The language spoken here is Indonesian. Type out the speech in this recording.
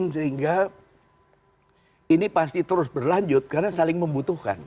sehingga ini pasti terus berlanjut karena saling membutuhkan